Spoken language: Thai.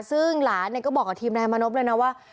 ซึ่งหลานก็บอกกับทีมนายมานพเลยนะว่า